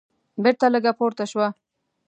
بېرته لږه پورته شوه.